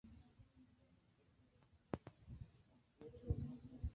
kamili au tunzo kiasi ya agonisti ya muopioidi